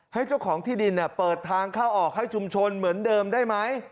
เจ้าของที่ดินเปิดทางเข้าออกให้ชุมชนเหมือนเดิมได้ไหม